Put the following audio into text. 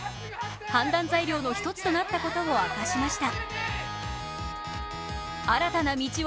判断材料の一つとなったことを明かしました。